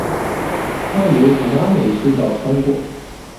它由 Tanami 轨道穿过。